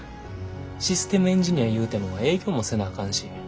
システムエンジニアいうても営業もせなあかんし。